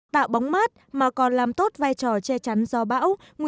tạo bóng mát mà còn làm tốt vai trò che chắn gió bão